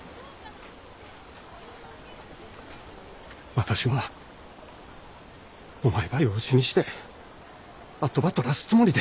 私はお前ば養子にして跡ばとらすつもりで。